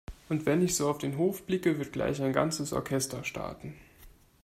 Und wenn ich so auf den Hof blicke, wird gleich ein ganzes Orchester starten.